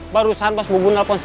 barusan bos bubuk nelfon saya